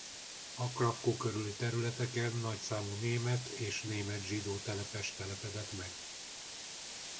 A Krakkó körüli területeken nagy számú német és német–zsidó telepes telepedett meg.